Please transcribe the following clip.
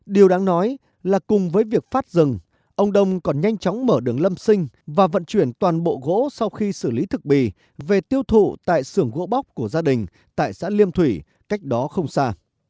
điều đáng nói là cùng với việc phát rừng ông đông còn nhanh chóng mở đường lâm sinh và vận chuyển toàn bộ gỗ sau khi xử lý thực bì về tiêu thụ tại xưởng gỗ bóc của gia đình tại xã liêm thủy cách đó không xa